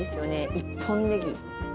一本ねぎ。